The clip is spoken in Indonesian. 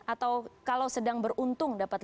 atau kalau sedang beruntung dapat rp lima puluh